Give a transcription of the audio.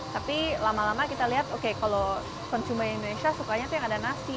tapi lama lama kita lihat oke kalau konsumen indonesia sukanya tuh yang ada nasi